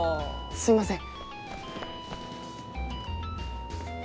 すいません。